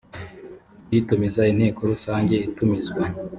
kuyitumiza inteko rusange itumizwa